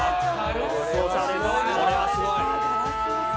これはすごい！